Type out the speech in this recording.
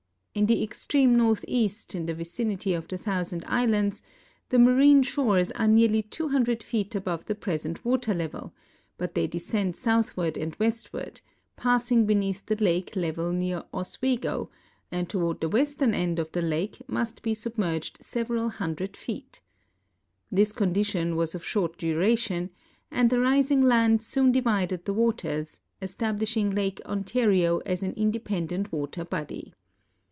In the extreme northeast, in the vicinity of the Thousand Islands, the marine shores are nearly 200 feet above tlie present water level, but they descend southward and westward, jjoasing be neath the lake level near Oswego, and towanl the western iMid of the lake must be submerged several hundred feet. This con dition was of short duration, and the rising land soon divided the w^aters, establishing Lake Ontario as an independent water body.